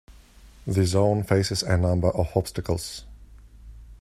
The zone faces a number of obstacles.